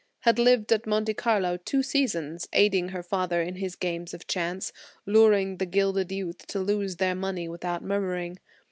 Had lived at Monte Carlo two seasons, aiding her father in his games of chance, luring the gilded youth to lose their money without murmuring.